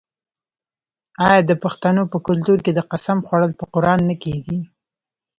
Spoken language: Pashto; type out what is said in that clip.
آیا د پښتنو په کلتور کې د قسم خوړل په قران نه کیږي؟